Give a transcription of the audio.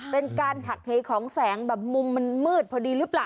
เป็นการหักเหของแสงแบบมุมมันมืดพอดีหรือเปล่า